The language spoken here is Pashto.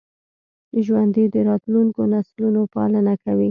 ژوندي د راتلونکو نسلونو پالنه کوي